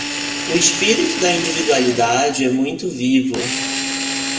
O espírito da individualidade é muito vivo.